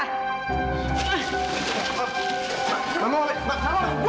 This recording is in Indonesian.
mama mau buang